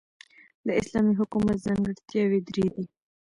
د اسلامی حکومت ځانګړتیاوي درې دي.